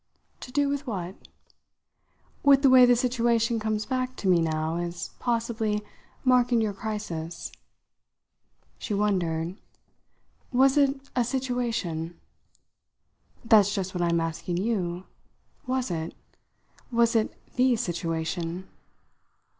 "To do with what?" "With the way the situation comes back to me now as possibly marking your crisis." She wondered. "Was it a 'situation'?" "That's just what I'm asking you. Was it? Was it the situation?"